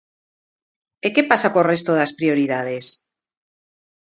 ¿E que pasa co resto das prioridades?